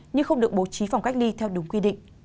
nhưng không được bố trí phòng cách ly theo đúng quy định